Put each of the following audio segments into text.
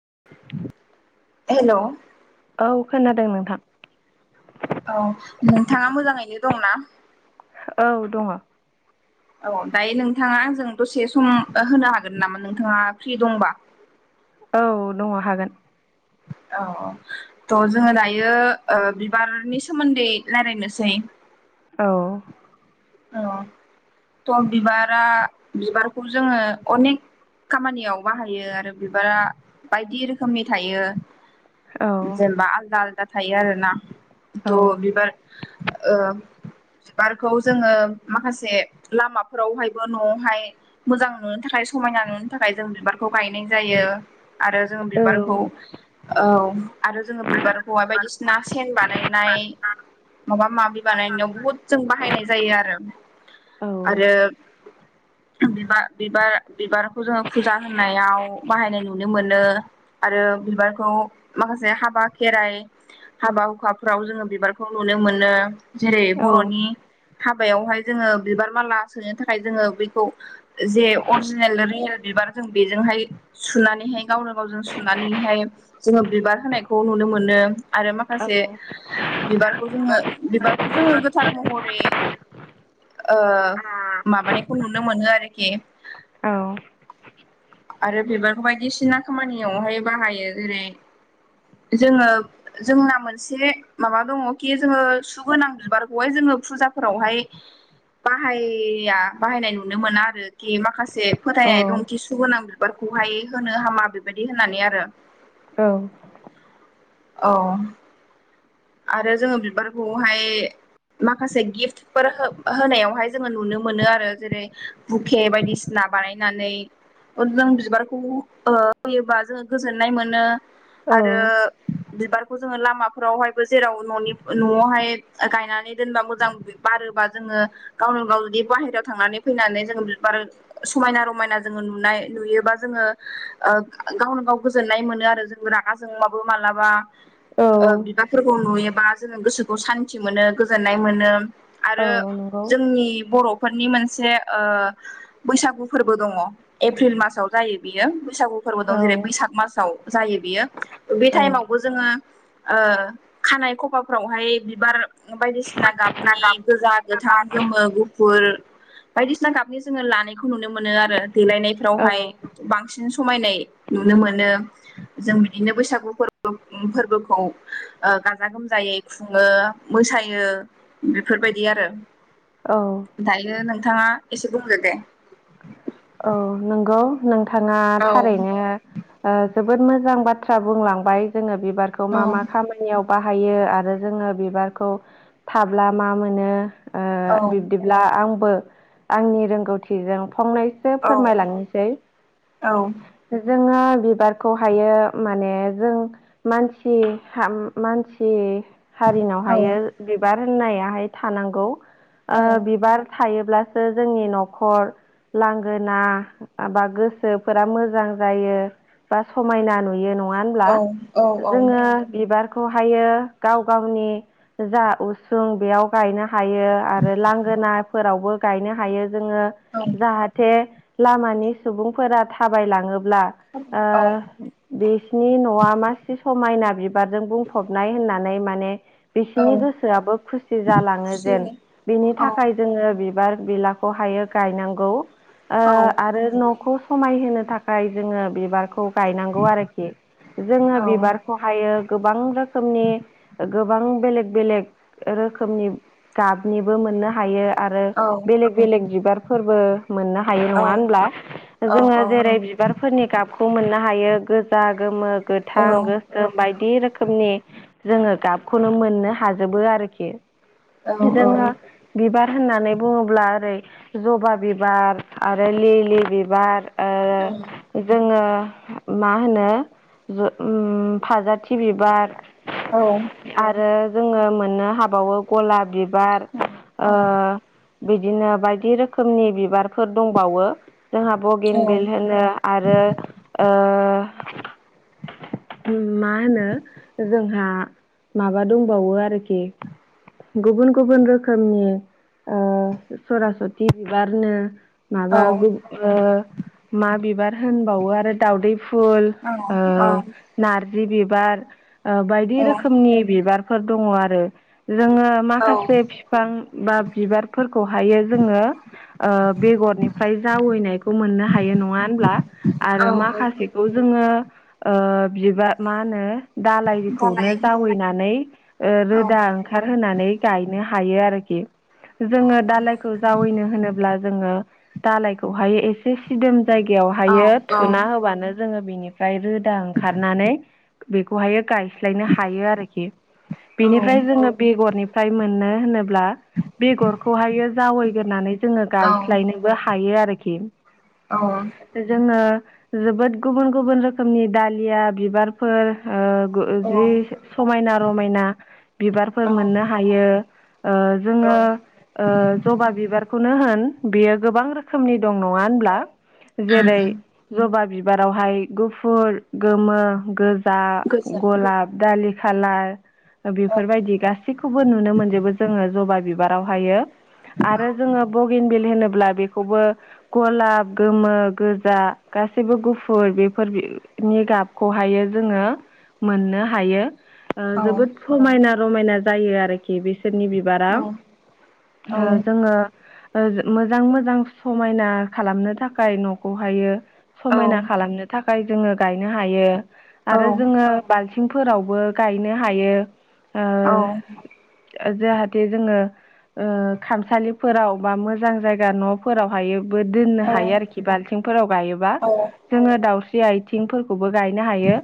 [inaudible] हेल' औ खोनादों नोंथां। औ नोंथाङा मोजाङैनो दंना औ दङ। औ दायो नोंथाङा जों दसे सम होनो हागोन नामा नोंथाङा फ्रि दंबा [inaudible] औ दङ हागोन। औ-औ थ' जोङो दायो ओ बिबारनि सोमोन्दै रायलायनोसै। औ औ थ' बिबारा बिबारखौ जोङो अनेक खामानियाव बाहायो आरो बिबारा बायदि रोखोमनि थायो। औ जेनबा आलदा -आलदा थायो आरो ना औ थ' बिबार ओ बारखौ जोङो माखासे लामाफोरावहायबो न'आवहाय मोजां नुनो थाखाय समायना नुनो थाखाय जों बिबारखौ गायनाय जायो आरो जों बिबारखौ औ औ आरो जोङो बिबारखौ बायदिसिना सेन बानायनाय माबा -माबि बानायनायाव बहुद जों बाहायनाय जायो आरो औ आरो [inaudible] बिबार बिबार बिबारखौ जोङो फुजा होननायाव बाहायनाय नुनो मोनो आरो। बिबारखौ माखासे हाबा खेराइ हाबा हुखाफ्राव जोङो बिबारखौ नुनो मोनो। जेरै औ बर'नि हाबायावहाय जोङो बिबार माला सोनो थाखाय जोङो बेखौ जे अरिजिनेल रियेलार बिबार जों बेजोंहाय सुनानैहाय गावनो गावजों सुनानैहाय जोङो बिबार होनायखौ नुनो मोनो मोनो आरो माखासे बिबारखौ जोङो बिबारखौ जोङो गोथार महरै ओ माबानायखौ नुनो मोनो आरोखि औ। आरो बिबारखौ बायदिसिना खामानियावहाय बाहायो जेरै जोङो जोंना मोनसे माबा दङखि जोङो सुगोनां बिबारखौहाय जोङो फुजा फोरावहाय बाहाया बाहायनाय नुनो मोना आरोखि माखासे से फोथायनाय दं खिसु गोनां बिबारखौहाय होनो हामा बेबायदि होननानै आरो औ। औ। आरो जोङो बिबारखौहाय माखासे गिफ्टफोर होनायावहाय जोङो नुनो मोनो आरो जेरै बुके बायदिसिना बानायनानै जों बिबारखौ ओ होयोबा जोङो गोजोन्नाय मोनो औ आरो बिबारखौ जोङो लामाफोरावहाय जेराव न'आवहाय गायनानै दोनबा मोजां बारोबा जोङो गावनो गाव बे बाहेरायाव थांनानै फैनानै जोङो बि शबार समायना रमायना जोङो नुनाय नुयोबा जोङो। गावनो गाव गोजोननाय मोनो आरो जों रागा जोंबाबो मालाबा औ बिबार फोरखौ नुयोबा जोङो गोसोखौ सान्थि मोनो गोजोननाय मोनो। औ आरो नंगौ जोंनि बर' फोरनि मोनसे ओ बैसागु फोरबो दङ एप्रिल मासाव जायो बियो बैसागु फोरबो औ दं जेरै बैसाग मासाव जायो बियो बे औ टाइमावबो जोङो ओ खानाय खफाफ्रावहाय बिबार बायदिसिना गाबनि गोजा गोथां गोमो गुफुर बायदिसिना गाबनि जोङो लानायखौ नुनो मोनो आरो देलायनायफ्रावहाय औ बांसिन समायनाय नुनो मोनो जों बिदिनो बैसागु फोरबो फोरबोखौ ओ गाजा गोमजायै खुङो मोसायो बेफोरबायदि आरो। औ दायो नोंथाङा एसे बुंदो दे औ नंगौ नोंथाङा औ थारैनो ओ जोबोद मोजां बाथ्रा बुंलांबाय जोङो बिबारखौ औ मा मा खामानियाव बाहायो आरो जोङो बिबारखौ थाब्ला मा मोनो औ बिब्दिब्ला आंबो आंनि रोंगौथिजों फंनै फोरमायलांनोसै औ जों जोङो बिबारखौ हायो माने जों मानसि मानसि औ हारिनावहायो बिबार होननायाहाय थानांगौ औ ओ बिबार थायोब्लासो जोंनि न'खर गोना माबा गोसोफोरा मोजां जायो बा समायना नुयो नङा नङा होनब्ला औ जोङो बिबार खोहायो गाव ना फोरावबो गायनो हायो। जोङो जाहाथे लामानि सुबुंफोरा थाबायलाङो ब्ला ओ औ बिसिनि न'आ मासे समायना बिबारजों बुंफबनाय होननानै माने औ बिसिनि गोसोआबो खुसि जालाङो खुसि जेन बिनि औ थाखाय जोङो बिबार बिलाखौ हायो गायनांगौ ओ औ आरो न'खौ समायहोनो थाखाय जोङो बिबारखौ गायनागौ आरोखि जोंङो औ बिबारखौ गोबां रोखोमनि गोबां बेलेग बेलेग रोखोमनि गाब निबो मोननो हायो आरो औ बेलेग बेलेग बिबार फोरबो हायो नङा औ होनब्ला जोङो जेरै औ बिबारफोरनि गाबखौ मोननो हायो गोजा गोमो गोथां गोसोम बायदि रोखोमनि जोङो गाबखौनो मोननो हाजोबो आरो आरोखि औ औ जोङो बिबार होननानै बुङोब्ला ओरै जबा बि बिबार आरो लिलि बिबार ओ जोङो मा होनो फाजाथि बिबार। आरो जोङो मोननो हाबावो गलाब बि बिबार बिदिनो बायदि रोखोमनि बिबारफोर दंबावो। जोंहा बगिन बिल होनो आरो ओ मा होनो जोंहा माबा दंबावो आरोखि गुबुन गुबुन रोखोमनि ओ सरासति बिबारनो माबा गु ओ मा बिबार होनबावो आरो दाउदै फुल ओ नार जि बिबार ओ बायदि रोखोमनि बिबारफोर दङ आरो जोङो औ माखासे बिफां बा बिबारफोरखौहायो जोङो ओ बेगरनिफ्राय जावैनायखौ मोननो हायो नङा होनब्ला औ आरो माखासेखौ जोङो ओ बिबार मा होनो। दालायखौनो दालाय जावैनानै औ रोदा ओंखार होनानै गायनो हायो आरो। आरोखि औ गोजोन औ जोङो दालायखौ जावैनो होनोब्ला जोङो दालायखौहाय एसे सिदोम जायगायावहायो थुना होबानो जोङो बेनिफ्राय रोदा ओंखारनानै बेखौहायो गाय फ्रायनो हायो आरोखि बेनिफ्राय जोङो बेगरनिफ्राय मोननो होनो ब्ला बेगरखौहायो जावैग्रोनानै जोङो गाय लायनोबो हायो आरोखि जोङो जोबोद गुबुन गुबुन रोखोमनि दालिया बिबारफोर ओ गु जि समायना रमायना बिबारफोर मोननो हायो ओ जोङो जबा बिबारखौनो होन बियो गोबां रोखोमनि दं नङा होनब्ला जेरै जबा बि बिबारावहाय गुफुर गोमो गोजा गलाब दालि खाला बेफोरबायदि गासैखौबो नुनो मोनजोबो जोङो जबा बिबारावहायो आरो जोङो बगिन बिल ब्ला बेखौबो गलाब गोमो गोजा गासैबो गुफुर बेफोर बिनि गाबखौहाय जोंङो मोननो हायो। जोबोद समायना रमायना जायो आरोखि बेस नि बिबारा जोङो मोजां मोजां समायना खालामनो थाखाय न'खौहायो समायना खालामनो थाखाय जोङो गायनो हायो आरो जोङो बालथि आथिंफोरावबो गायनो हायो ओ जाहाथे जोङो ओ खामसालिफोराव बा मोजां जायगा न'फोरावहायो बो दोननो हायो आरोखि बाल्थिंफोराव गायोबा जोङो दाावस्रि आथिंफोर खौबो गायनो हायो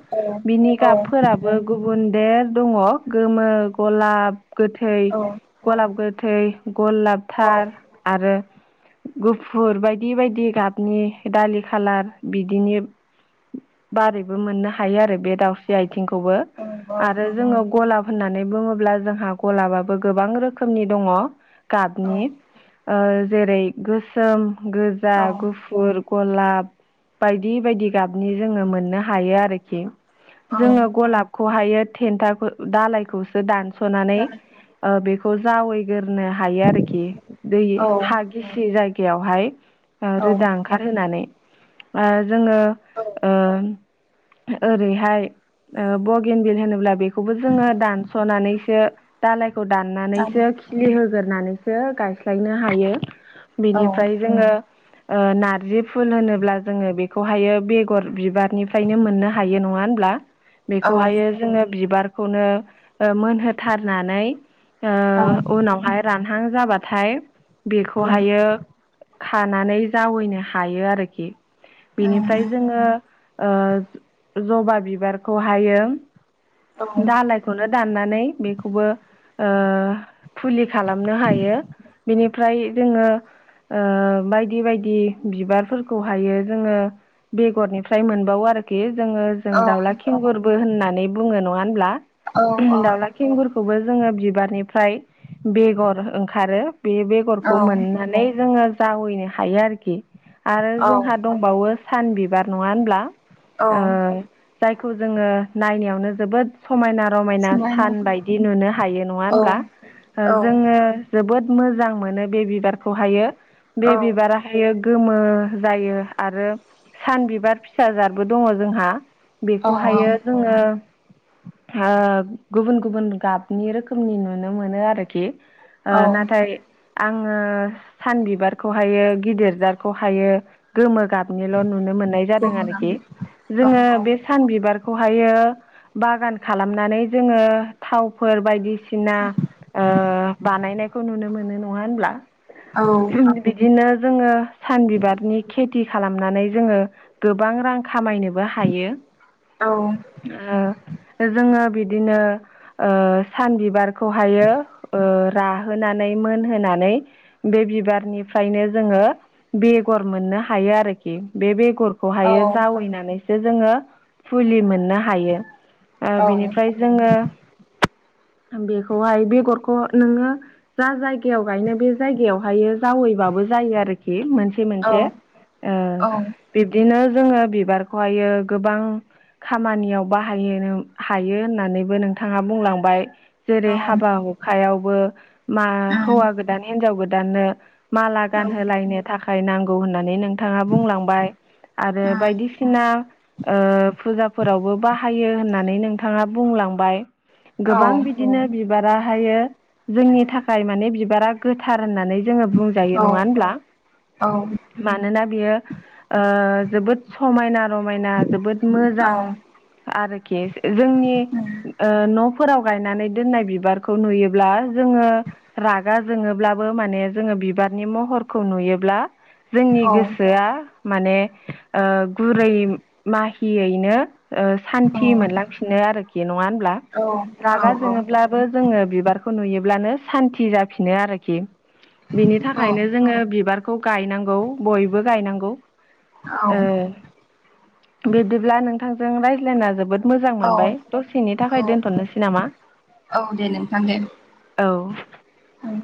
बिनि गाबफोराबो गुबुन देर दङ गोमो गलाब गोथै गलाब गोथै गलाबथार आरो गुफुर बायदि बायदि गाबनि दालि खालार बिदिनि बारैबो मोननो हायो आरो बे दाउस्रि आथिंखौबो आरो जोङो गलाब होननानै बुङोब्ला जोंहा ग'लाबाबबो गोबां रोखोमनि दङ गाबनि ओ जेरै गोसोम, गोजा, गुफुर गलाब बायदि-बायदि गाबनि जोङो मोननो हायो आरोखि जोङो गलाबखौहायो थेन्थाखौ दालायखौसो दानस सनानै बेखौ जावैगोरो हायो आरोखि दै हा गिसि जायगायावहाय रोदा ओंखारहोनानै बा जोंङो ओ ओरैहाय ओ बगिनबिल होनोब्ला बे बेखौबो जोंङो दानसनानैसो दालायखौ दाननानैसो खिलि होग्रोनानै सो गायस्लायनो हायो बिनिफ्राय जोङो ओ नारजि फुल होनोब्ला जोंङो बेखौहायो बेगर बिबारनिफ्रायनो मोननो हायो नङा होनब्ला। बेखौहायो जोंङो बिबारखौनो मोनहोथारनानै। ओ उनावहाय रानहां जाबाथाय बेखौहायो खानानै जावैनो हायो आरोखि। बेनिफ्राय जोंङो ओ जबा बिबारखौहायो। दालायखौनो दाननानै बेखौबो ओ‌ फुलि खालामनो हायो बिनिफ्राय जोंङो। ओ बायदि बायदि बिबारफोरखौहायो जोङो बेगरनिफ्राय मोनबावो आरो आरोखि जोङो जों दावला खिंगुरबो होननानै बुङो नङा होनब्ला दाउला खेंगुरखौबो जोङो बिबारनिफ्राय बेगर ओंखारो बे बेगरखौ मोननानै जोङो जावैनो हायो आरोखि आरो औ जोंहा दंबावो सान बिबार नङा होनब्ला औ। खौ जोङो नायनायावनो जोबोद समायना रमायना सोंलायनो सान बायदि नुनो हायो नङा औ होनब्ला ओ औ जोङो जोबोद मोजां मोनो बे बिबारखौहायो बे औ बिबाराहायो गोमो जायो आरो सान बिबार फिसाजादबो दङ जोंहा औ बेखौहायो जोङो ओ गुबुन गुबुन गाबनि रोखोमनि नुनो मोनो आरोखि ओ औ नाथाय आङो सान बिबारखौहायो गिदिर जारखौहायो गोमो गाबनिल' नुनो मोननाय जादों आरोखि गोमोहाबनाय औ जोङो बे सान बिबारखौहायो बागान खालामनानै जोङो थावफोर बायदिसिना सिना ओ बानायनायखौ नुनो मोनो नङा होनब्ला। औ बिदिनो जोङो सान बिबारनि खेथि खालाम नानै जोङो गोबां रां खामायनोबो हायो औ ओ जोङो बिदिनो ओ सान बिबार खौहायो ओ राहोनानै। मोनहोनानै बे बिबारनिफ्रायनो जोङो बेगर मोननो हायो आरोखि बे बेगरखौहायो जावैनानैसो जोङो फुलि मोननो हायो ओ बिनिफ्राय जोङो [inaudible] बेखौहाय बेगरखौ नोङो जा जायगायाव गायनो बे जायगायावहायो जावैबाबो जायो आरोख मोनसे औ मोनसे बिबदिनो जोङो बिबारखौहायो गोबां खामानियाव बाहायो हायो होननानैबो नोंथाङा बुंलांबाय जेरै हाबा हुखायावबो। मा हौवा गोदान हिनजाव गोदाननो माला गानहोलायनो थाखाय नांगौ होननानै नों नोंथाङा बुंलांबाय आरो बायदिसिना ओ फुजाफोरावबो बाहायो होननानै नोंथाङा बुंलांबाय गोबां बिदिनो बिबारा हायो जोंनि थाखाय माने बिबारा गोथार होननानै जोङो बुंजायो नङा होनब्ला। औ मानोना बियो ओ जोबोद समायना रमायना जोबोद औ मोजां आरोखि जोंनि ओ न' फोराव गायनानै दोननाय बिबारखौ नुयोब्ला जोङो रागा जोङोब्लाबो माने जों ओ बिबारनि महरखौ नुयोब्ला जोंनि गोसोआ माने ओ गुरै माहियैनो ओ सान थि मोनलांफिनो आरोखि नङा होमब्ला? औ उम औ रागा जोङोब्लाबो जोङो बिबारखौ नुयो ब्लानो सान्थि जाफिनो आरोखि। बिनि थाखायनो जोंङो बिबारखौ गायनांगौ बयबो गायनांगौ। ओ बिब्दिब्ला नोंथांजों रायज्लायना जोबोद मोजां मोनबाय। दसेनि औ औ थाखाय दोनथनोसै नामा? औ [unintelligible]